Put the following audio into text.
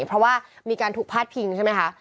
เพราะว่ามีการถูกพาดพิงใช่ไหมคะ